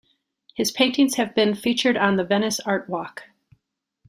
His paintings have been featured on The Venice Art Walk.